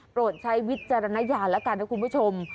ใช้วิจารณญาณแล้วกันนะคุณผู้ชม